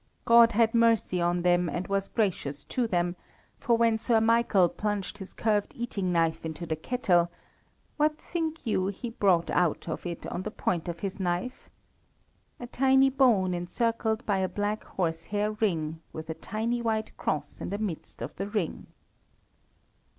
God had mercy on them, and was gracious to them, for when Sir Michael plunged his curved eating knife into the kettle, what think you he brought out of it on the point of his knife? A tiny bone encircled by a black horsehair ring, with a tiny white cross in the midst of the ring.